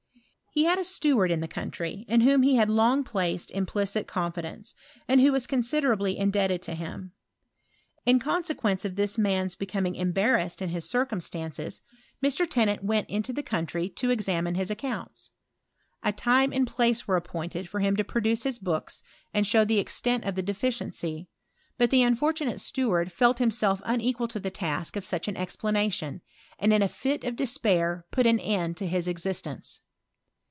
He had a steward in the country, in whom he had long placed implicit confidence, and who was con siderably indebted to him. In consequence of this man's becoming embarrassed in his circumstances^ ,^HTOBZ'Or CBEMIVIKZ. Ur. Tenaant went into the country to examioe hti accounts. A time and pUce vrere appointed forium tti produce his books, and show the extent of ths deficiency: but the unfortu a ate steward felt hirnself unequal to the ta^ of such an esplanation, and in ft fit of despar put an end to his existence.